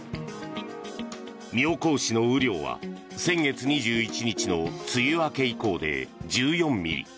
妙高市の雨量は先月２１日の梅雨明け以降で１４ミリ。